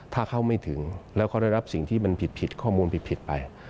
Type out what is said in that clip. ถ้าเข้าไม่ถึงแล้วเขาได้รับสิ่งที่มันผิดข้อมูลผิดไป